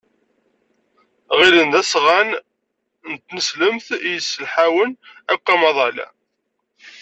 Ɣillen d asɣan n tneslemt i yesselḥawen akk amaḍal.